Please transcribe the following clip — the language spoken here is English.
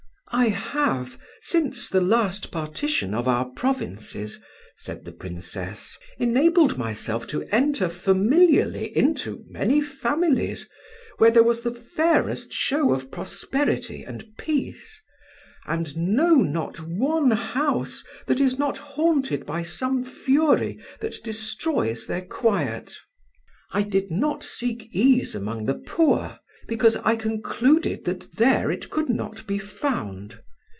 "I have, since the last partition of our provinces," said the Princess, "enabled myself to enter familiarly into many families, where there was the fairest show of prosperity and peace, and know not one house that is not haunted by some fury that destroys their quiet. "I did not seek ease among the poor, because I concluded that there it could not be found.